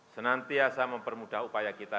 senantiasa mempermudah upaya kita